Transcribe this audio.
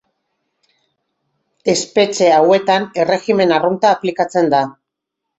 Espetxe hauetan erregimen arrunta aplikatzen da.